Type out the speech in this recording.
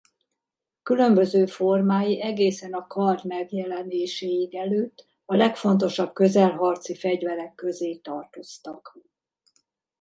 Különböző formái egészen a kard megjelenéséig előtt a legfontosabb közelharci fegyverek közé tartoztak.